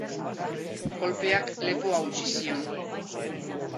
Kolpeak lepoa hautsi zion.